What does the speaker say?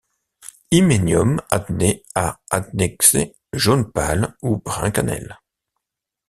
Hyménium adné à adnexé, jaune pâle ou brun cannelle.